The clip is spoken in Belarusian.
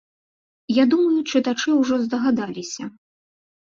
Я думаю, чытачы ўжо здагадаліся.